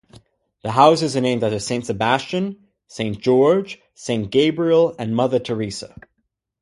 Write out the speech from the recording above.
The Houses are named after Saint Sebastian, Saint George, Saint Gabriel, and Mother Teresa.